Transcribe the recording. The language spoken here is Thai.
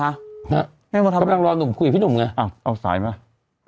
นะแม่หมดทำอะไรกำลังรอหนุ่มคุยพี่หนุ่มไงอ้าวเอาสายมาเอา